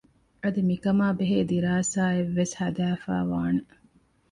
އަދި މިކަމާ ބެހޭ ދިރާސާއެއް ވެސް ހަދައިފައިވާނެ